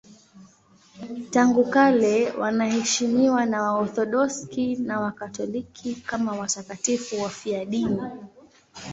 Tangu kale wanaheshimiwa na Waorthodoksi na Wakatoliki kama watakatifu wafiadini.